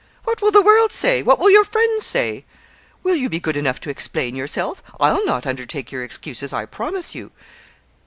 what will the world say? what will your friends say? Will you be good enough to explain yourself? I'll not undertake your excuses, I promise you.'